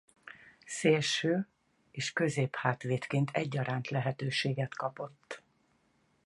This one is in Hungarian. Szélső- és középhátvédként egyaránt lehetőséget kapott.